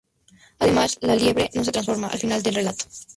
Además, la liebre no se transforma al final del relato.